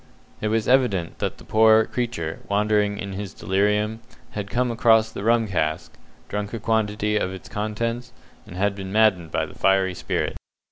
It was evident that the poor creature, wandering in his delirium, had come across the rum cask, drunk a quantity of its contents, and been maddened by the fiery spirit.